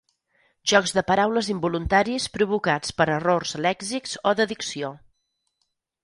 Jocs de paraules involuntaris provocats per errors lèxics o de dicció.